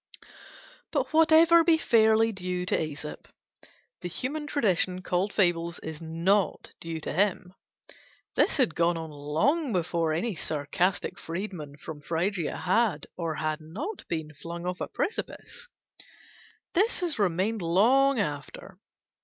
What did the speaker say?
But whatever be fairly due to Æsop, the human tradition called Fables is not due to him. This had gone on long before any sarcastic freedman from Phrygia had or had not been flung off a precipice; this has remained long after.